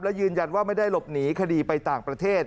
และยืนยันว่าไม่ได้หลบหนีคดีไปต่างประเทศ